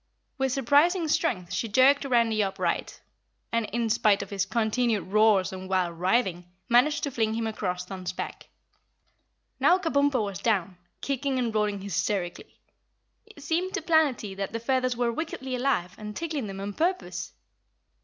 With surprising strength she jerked Randy upright and, in spite of his continued roars and wild writhing, managed to fling him across Thun's back. Now Kabumpo was down, kicking and rolling hysterically. It seemed to Planetty that the feathers were wickedly alive and tickling them on purpose.